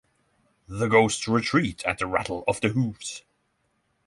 The ghosts retreat at the rattle of the hooves.